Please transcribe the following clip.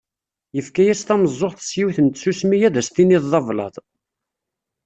Yefka-as tameẓẓuɣt s yiwet n tsusmi ad as-tiniḍ d ablaḍ.